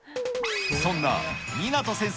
そんな湊先生